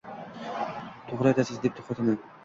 - To‘g‘ri aytasiz - debdi xotini